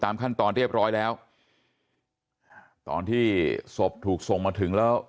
ขั้นตอนเรียบร้อยแล้วตอนที่ศพถูกส่งมาถึงแล้ว